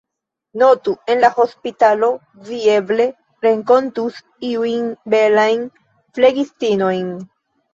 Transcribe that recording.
Notu, en la hospitalo, vi eble renkontus iujn belajn flegistinojn.